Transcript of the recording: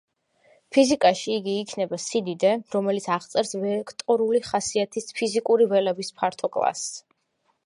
ფიზიკაში იგი იქნება სიდიდე, რომელიც აღწერს ვექტორული ხასიათის ფიზიკური ველების ფართო კლასს.